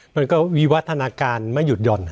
มันก็วิวัฒนาการไม่หยุดหย่อน